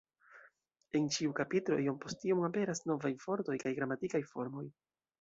En ĉiu ĉapitro iom post iom aperas novaj vortoj kaj gramatikaj formoj.